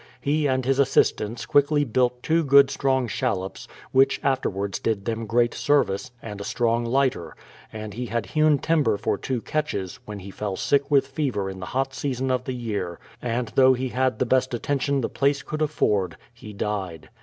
He and his assistants quickly built two good strong shallops, which afterwards did them great service, and a strong lighter; and he had hewn timber for two catches, w4ien he fell sick with fever in the hot season of the year, and though he had the best attention the place could afford, he died.